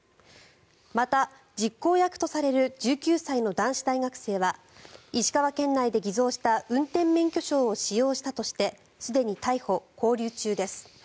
また、実行役とされる１９歳の男子大学生は石川県内で偽造した運転免許証を使用したとしてすでに逮捕・勾留中です。